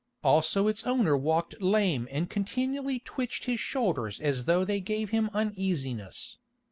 Also its owner walked lame and continually twitched his shoulders as though they gave him uneasiness.